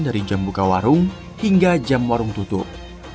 dari jam buka warung hingga jam warung tutup